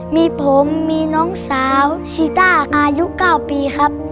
มีผมมีน้องสาวชีต้าอายุ๙ปีครับ